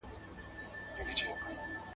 پښتو ته د خدمت په لاره کې تل چمتو او ویښ اوسئ.